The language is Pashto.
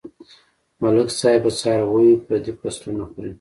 ملک صاحب په څارويو پردي فصلونه خوري.